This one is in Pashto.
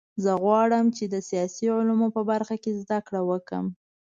زه غواړم چې د سیاسي علومو په برخه کې زده کړه وکړم